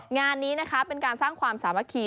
งานนี้นะคะเป็นการสร้างความสามัคคี